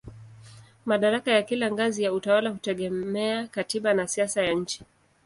Madaraka ya kila ngazi ya utawala hutegemea katiba na siasa ya nchi.